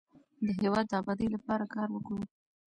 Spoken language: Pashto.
د هیواد د ابادۍ لپاره کار وکړو.